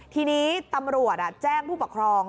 ทีนี้ตำรวจแจ้งผู้ปกครอง